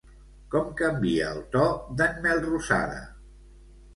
Com canvia el to d'en Melrosada?